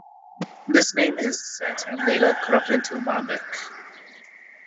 This name is said to have later corrupted into Waubach.